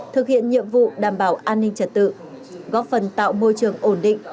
thực hiện nhiệm vụ đảm bảo an ninh trật tự góp phần tạo môi trường ổn định